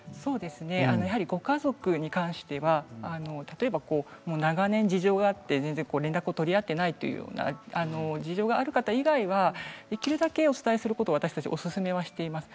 ご家族に関しては例えば長年事情があって全然連絡を取り合っていない方以外はできるだけお伝えすることを私たちはおすすめしています。